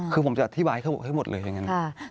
คือผมจะอธิบายให้หมดเลยอย่างนั้น